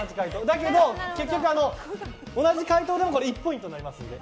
だけど、結局同じ回答でも１ポイントになりますので。